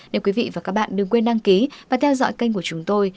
để quý vị và các bạn đừng quên đăng ký và theo dõi kênh của chúng tôi